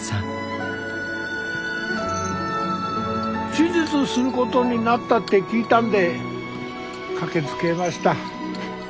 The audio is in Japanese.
手術することになったって聞いたんで駆けつけました。